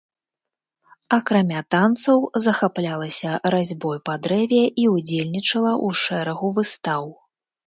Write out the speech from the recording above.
Акрамя танцаў захаплялася разьбой па дрэве і ўдзельнічала ў шэрагу выстаў.